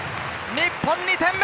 日本、２点目。